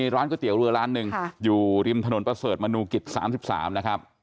ร้านก๋วยเตี๋ยวเรือร้านหนึ่งอยู่ริมถนนประเสริฐมนูกิจ๓๓นะครับ